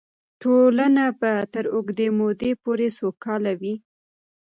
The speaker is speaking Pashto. ټولنه به تر اوږدې مودې پورې سوکاله وي.